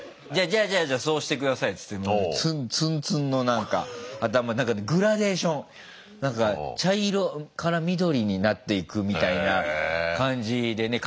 じゃあじゃあそうして下さいって言ってツンツンの何か頭グラデーション茶色から緑になっていくみたいな感じでね。